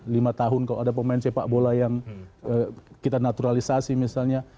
lima tahun kalau ada pemain sepak bola yang kita naturalisasi misalnya